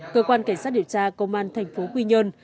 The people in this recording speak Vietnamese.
cơ quan cảnh sát điều tra công an thành phố quy nhơn